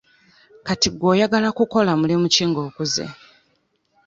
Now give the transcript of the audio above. Kati gwe oyagala kukola mulimu ki nga okuze?